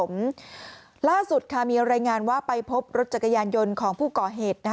ล่าสุดค่ะมีรายงานว่าไปพบรถจักรยานยนต์ของผู้ก่อเหตุ